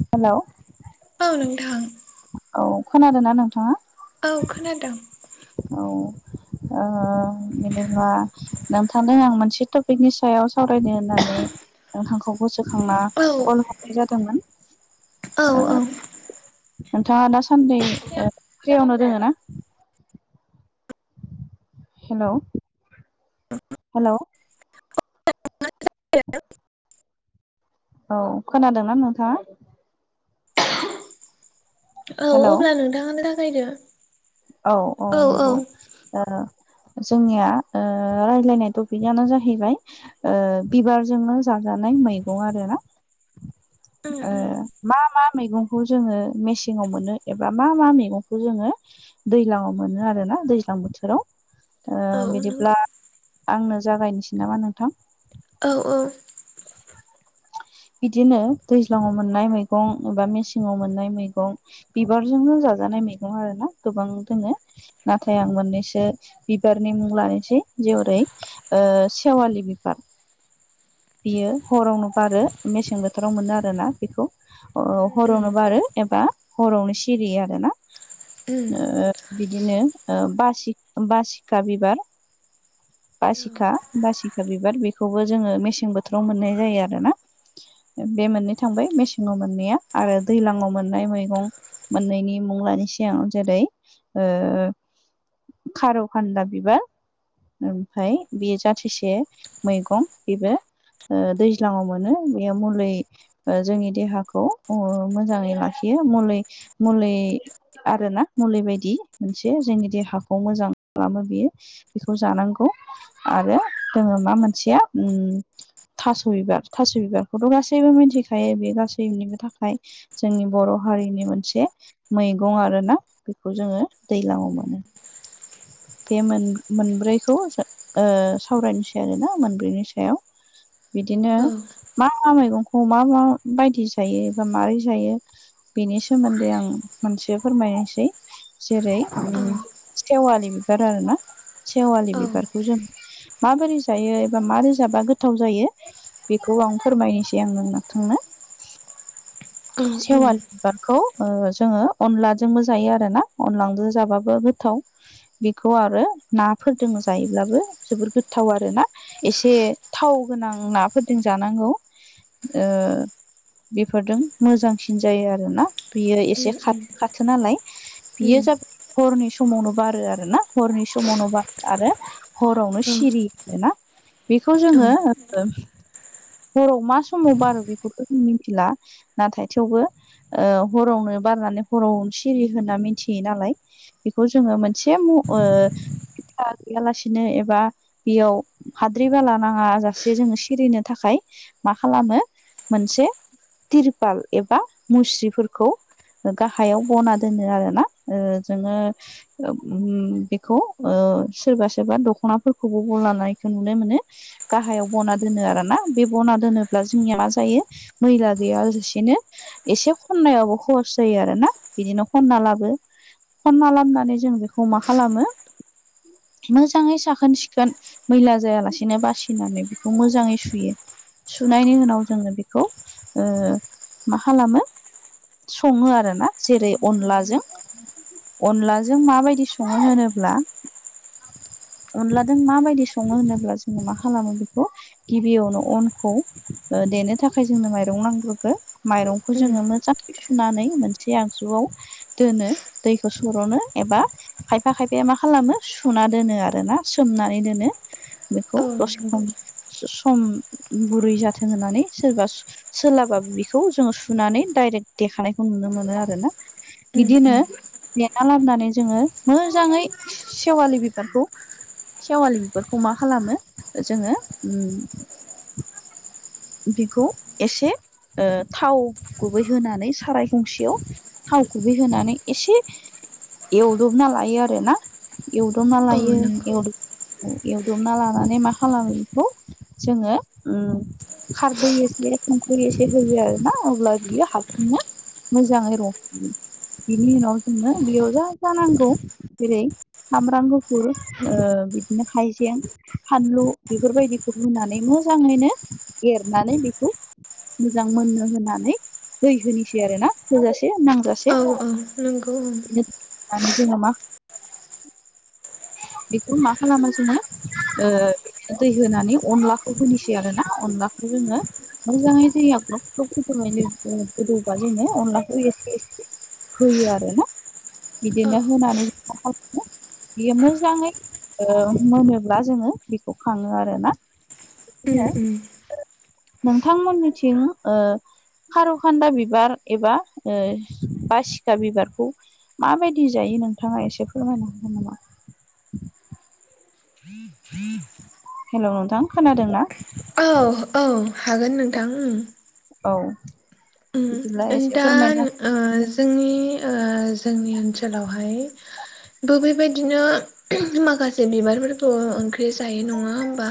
हेल'। औ नोंथां। औ खोनादों ना नोंथाङा- औ खोनादों औ आ। बिनेबा नोंथांनो आं मोनसे टपिकनि सायाव सावरायनो होननानै। नोंथांखौ गोसोखांना औ कल हरनाय जादोंमोन औ नोंथाङा दासान्दि फेवनो दोङ ना। हेल' हेल' [inaudible] औ खोनादों ना नोंथाङा औ हेलौ अब्ला नोंथाङानो थाखायदो औ औ नंगौ ओ जोंनिया ओ राय्लायनाय टपिकनो जाहैबाय ओ बिबारजोंनो जाजानाय मैगं आरो ना उम ओ उम मा मा मैगंखौ जोङो मेसेंयाव मोनो एबा मा मा मैगंखौ जोङो दैज्लङाव मोनो आरोना दैज्लां बोथोराव औ ओ नंगौ बिदिब्ला आंनो जागायनोसै नामा नोंथां औ औ [inaudible] बिदिनो दैज्लाङाव मोननाय मैगं एबा मेसेंआव मोननाय मैगं बिबारजोंनो जाजानाय मैगं आरो ना गोबां दोङो नाथाय आं मोननैसो बिबारनि मुं लानोसै जेरै ओ सेेवालि बिबार बियो हरावनो बारो मेसें बोथोराव मोनो आरोना बेखौ उम उम हरावनो बारो एबा हरावनो सिरियो आरोना। उम बिदिनो बासि बासिखा बिबार औ बासिखा बासिखा बिबार बेखौबो जोंङो मेसें बोथोराव मोननाय जायो आरोना। बे मोननै थांबाय मेसेङाव मोननाया आरो दैलां आव मोननाय मैगं मोननैनि मुंलानि है आं जेरै खारु खानदा बिबार ओमफाय बेयो जाथिसे मैगं बेबो दैज्लाङाव मोनो बेयो मुलै जोंनि देहाखौ मोजाङै लाखियो मुलै मुलै आरो ना मुलि बायदि मोनसे जोंनि देहाखौ मोजां खालामो बियो। बेखौ जानांगौ आरो जोंङो मा मोनसेया अम थास' बिबार थास' बिबारखौथ' गासैबो मिथिखायो बे गासैनिबो थाखाय जोंनि बर' हारिनि मोनसे मैगं आरोना बेखौ जोंङो दैलाङाव मोनो। बे मोनब्रैखौ ओ सावरायनोसै आरोना मोनब्रैनि सायाव बिदिनो औ मा मा मैगंखौ मा म बायदि जायो एबा मारै जायो बेनि सोमोन्दै आं मोनसे फोरमायनोसै जेरै औ उम उम सेवालि बिबार आरो ना सेवालि औ उम बिबारखौ जों माबोरै जायो एबा मरै जाबा गोथाव जायो। बेखौ आं फोरमायनोसै आंङो नोंथांनो औ सेवालि बिबार खौ जोंङो अनलाजोंबो जायो आरोना अनलजों जाबाबो गोथाव बेखौ आरो नाफोरदों जायोब्लाबो जोबोर गोथाव आरोना। एसे थाव गोनां नाफोरदों जानांगौ ओ बेफोरदों मोजांसिन जायो आरोना बियो एसे नंगौ खा-खाथो नालाय बियो जा हरनि समावनो बारो आरोना हरनि समावनो बारो आरो हरावनो सिरि ना बेखौ जोङो हराव मा समाव बारो बेखौथ' जों मिथिला नाथाय थेवबो ओ हरावनो बारनानै हरावनो सिरि होनना मिथियो नालाय बेखौ जोंङो मोनसे मु ओ बिथा गैयालासिनो एबा बेयाव हाद्रि बाला नाङाजासे जोंङो सिरिनो थाखाय मा खालामो मोनसे तिरपाल एबा मुस्रिफोरखौ गाहायाव बना दोनो आरोना जोंङो बेखौ सोरबा सोरबा दख'नाफोरखौबो बलानायखौ नुनो मोनो। गाहायाव बना दोनो आरो ना। बे बना दोनोब्ला जोंनिया मा जायो मैला गैयालासेनो एसे खननायावबो खरस जायो आरो ना बिदिनो खनना लाबो खनना खालामनानै जों बेखौ मा खालामो। मोजाङै साखोन सिखोन मैला जायालासेनो बासिनानै बेखौ मोजाङै सुयो सुनायनि उनाव जोंङो बेखौ ओ मा खालामो सङो आरोना जेरै अनलाजों अनलाजों माबायदि संनो होनोब्ला अनलादों माबायदि सङो होनोब्ला जोङो मा खालामो बेखौ गिबियावनो अनखौ ओ देनो थाखाय जोंनो माइरं नांग्रोगो माइरंखौ जोङो मोजां सुनानै मोनसे आगजुआव दोनो दैखौ सर'नो एबा खायफा खायफाया मा खालामो सुना दोनो आरोना सोमनानै दोनो। बेखौ दसे सम सम गुरै जाथों होननानै सोरबा। सोलाबाबा बेखौ जोङो सुनानै दडायरेक्ट देखानायखौ नुनो मोनो आरो ना। उम बिदिनो उम देना लाबोनानै जोङो मोजाङै सेवालि बिबारखौ सेवालि बेफोरखौ मा खालामो जोङो ओम बिखौ एसे ओ थाव गुबै होनानै साराय गंसेयाव थाव गुबै होनानै एसे एवदबना लायो आरो ना। एवदबना औ लायो नंगौ एवदब एवदबना लानानै मा खालामो बेखौ जोङो ओम खारदै एसे संख्रि एसे होयो आरोना अब्ला बियो हारसिंनो मोजाङै रंबहोयो बिनि उनाव जोङो बेयाव जा जा नांगौ जेरै सामब्राम गुफुर ओ बिदिनो हाइजें फानलु बेफोरबायदिखौ रुनानै मोजाङैनो एरनानै बेखौ मोजां मोननो होननानै दै होननिसै आरो ना थोजासे नांजासे औ नंगौ औ जोङो मा [unintelligible] बेखौ मा खालामो जोङो ओ बिदिनो दै होनानै अनलाखौ होनोसै आरो ना अनलाखौ जोङो मोजांयै दैया ग्लब ग्लब गोदोहोनानै गोदौबा जोङो अनलाखौ एसे एसे होयो आरोना बिदिनो होनानै जों मा खालामो बियो मोजाङै ओ मोनोब्ला जोङो बेखौ खाङो आरो ना उम उम नोंथांमोननिथिं ओ खार'खान्दा बिबार एबा ओ बासिखा बिबारखौ माबायदि जायो नोंथाङा एसे फोरमायनो हागोन नामा। [inaudible] हेलौ नोंथां खोनादों ना? औ औ हागोन नोंथां ओम औ बिदिब्ला ओम एसे दा फोरमायना ओ जोंनि ओ जोंनि ओनसोलावहाय बो बेबायदिनो माखासे जे बिबारफोरखौ ओंख्रि जायै नङा होमबा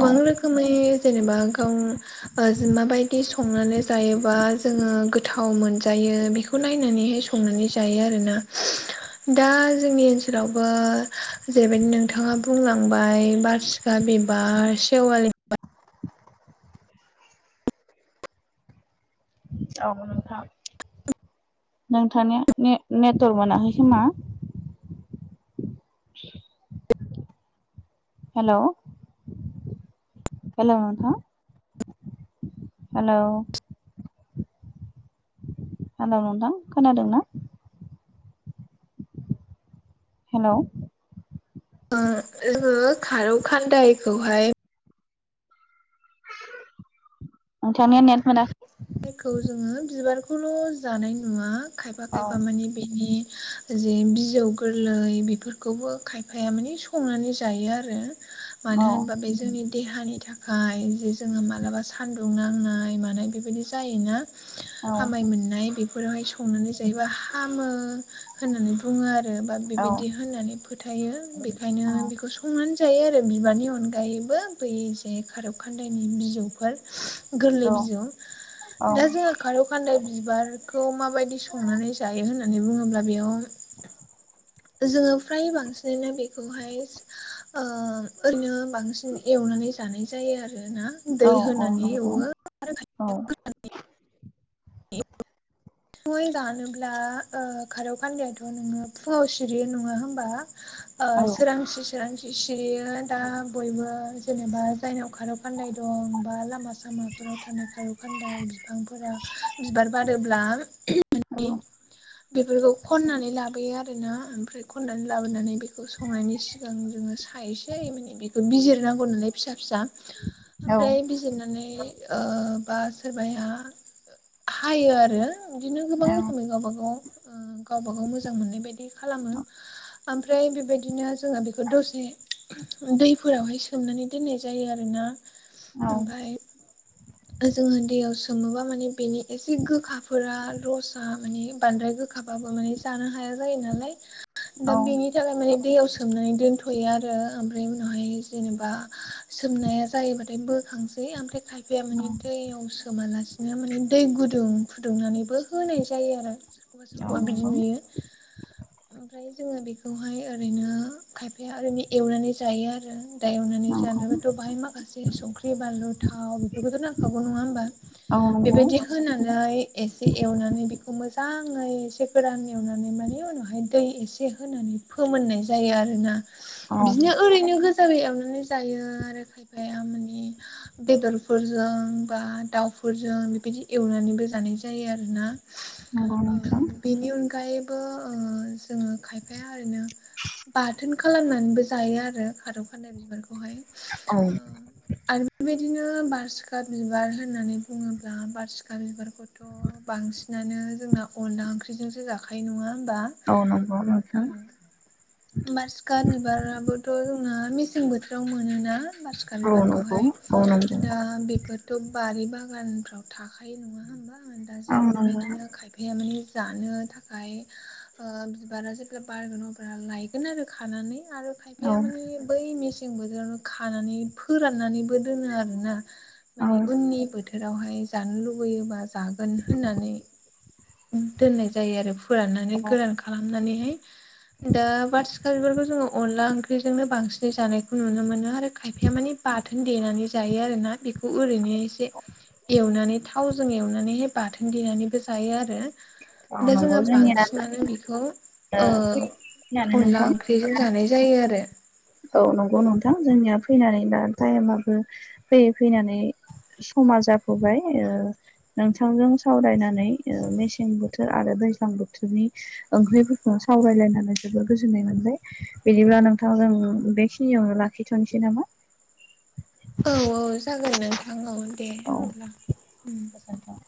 औ रोखोमै जेनेबा गाव ओ जों माबायदि संनानै जायोबा जोङो गोथाव मोनजायो बेखौ नायनानैहाय संनानै जायो आरोना। दा जोंनि ओनसोलावबो जेरैबायदि नोंथाङा बुंलांबाय बार सिखा बिबार सेवालि औ नोंथां नोंथांनिया ने-नेटवर्क मोनाखै खोमा? हेल' हेल' नोंथां हेल' हेल' नोंथां खोनादों ना? हेल' ओ जोङो खारौ खान्दायखौहाय नोंथांनिया नेट मोनाखै खौ जोङो बिबारखौल' जानाय नुवा खायफा औ खायफा मानि बिनि जि बिजौ गोरलै बेफोरखौबो खायफाया माने संनानै जायो आरो औ मानो होनबा बे जोंनि देहानि थाखाय जे जोङो मालाबा सान्दुं दुं नांनाय मानाय बेबायदि जायोना औ हामाय मोननाय बेफोरावहाय संनानै जायोबा हामो होननानै बुङो आरो बा औ बेबायदि होननानै फो थायो बेखायनो औ बेखौ संनानै जायो आरो बिबारनि अनगायैबो बै खार' खान्दायनि बिजौफोर गोरलै बिजौ औ औ दा जोङो खार' खान्दाय बिबारखौ माबायदि संनानै जायो होननानै बुङोब्ला बेयाव जोङो फ्राय बांसिनानो बेखौहाय ओ ओरैनो बांसिन एवनानै जानाय जायो आरो ना औ दै औ होनानै नंगौ एवो औ द गय गानोब्ला ओ खारौ खान्दायाथ' नोङो फुवाव सिरियो नङा होनोमबा ओ औ सोरांसि सोरांसि सिरियो दा बयबो जेनेबा जायनाव खारौ खान्दाय दं बा लामा सामाफोराव थानाय खारौ खान्दाय बिफांफोरा बिबार बारोब्ला औ बेफोरखौ खननानै लाबोयो आरोना ओमफ्राय खननानै लाबोनानै बेखौ संनायनि सिगां जोङो सायसै माने बेखौ बिजिरनांगौ नलाय फिसा फिसा ओमफ्राय बिजिरनानै ओ बा सोरबाया हायो आरो बिदिनो गोबां औ रोखोमै गावबा गाव गावबा गाव मोजां मोननाय बायदि खालामो। ओमफ्राय बेबायदिनो जोङो बेखौ दसे दैफोरावहाय सोमनानै दोननाय जायो आरोना औ ओमफफ्राय जोङो दैयाव सोमोबा माने बेनि एसे गोखाफोरा रसआ माने बांद्राय गो बाबो जानो हाया जायो नालाय दा औ बेनि बेनि थाखाय माने दैयाव सोमनानै दोनथ'यो आरो ओमफ्राय उनावहाय जेनेबा सोमनाया जायोबाथाय बोखांसै ओमफ्राय खायफाया माने नंगौ दैयाव सोमालासिनो माने दै गुदुं फुदुंनानैबो होनाय जायो आरो एबा सोरखौनो बिदि नंगौ नुयो ओमफ्राय जोङो बेखौहाय ओरैनो खायफाया ओरैनो एवनानै जायो आरो दा एवनानै जानोबाथ' बाहाय माखासे संख्रि, बानलु, थाव बेखौथ' नांखागौ नङा होमबा औ नंगौ बेबायदि होनानै एसे एवनानै बेखौ मोजाङै एसे गोरान एवनानै माने उनावहाय दै एसे होनानै फोमोननाय जायो आरोना औ बिदिनो ओरैनो गोजा एवनानै जायो आरो खायफाया माने बेदर फोरजों बा दाउफोरजों बेबायदि एवनानैबो जानाय जायो आरोना नंगौ नोंथां बेनि अनगायैबो ओ जोङो खायफाया ओरैनो बाथोन खालामनानैबो जायो आरो खारौ खानदाय बिबारखौहाय औ आरो बेबायदिनो बारसिखा बिबार होननानै बुङोब्ला बारसिखा बिबारखौथ' बांसिनानो जोंना अनला ओंख्रिजोंसो जाखायो नङा होमबा अ नंगौ नोंथां बासिखा बिबाराबोथ' जोंना मेसें बोथोराव मोनोना बारसिखा औ नंगौ बिबारखौहाय औ नंगौ दा बेफोरथ' बारि बागानफ्राव थाखायो नङा हबा दा औ जों बेबायदिनो खायफा बिया माने जानो थाखाय ओ बिबारा जेब्ला बारगोन अब्ला लाइक बगोन आरो खानानै आरो औ खायफाया माने बै मेसें बोथोरावनो खानानै फोराननानैबो दोनो आरो ना माने उननि बोथोरावहाय जानो लुबैयोबा जागोन होननानै दोननाय जायो आरो फोराननानै गोरान खालामनानैहाय दा बथि खाालफोरखौ जोङो अनला ओंख्रिजोंनो बांसिनै जानायखौ नुनो मोनो आरो खायफाया माने बाथोन देनानै जायो आरो ना बेखौ ओरैनो एसे एवनानै थावजों एवनानैहाय बाथोन देनानैबो जायो आरो औ दा नंगौ जोंङो जोंनिया बांसिनानो बेखौ फैनानै अनला नोंथां ओंख्रि ख्रिजों जानाय जायो आरो औ नंगौ नोंथां जोंनिया फैनानै टाइमाबो फैयै फैनानै समा जाबोबाय ओ नोंथांजों सावरायनानै मेसें बोथोर आरो दै्लां बोथोरनि ओंख्रिफोरखौ सावरायलायनानै जोबोर गोजोननाय मोनबाय बिदिब्ला नोंथां जोंनि बेखिनियावनो लाखिथ'नोसै नामा औ औ जागोन नोंथां औ दे अब्ला नोंथां